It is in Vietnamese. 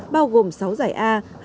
bao gồm sáu giải a